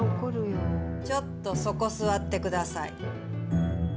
ちょっとそこ座ってください